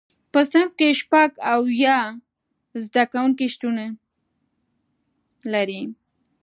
په صنف کې شپږ اویا زده کوونکي شتون لري.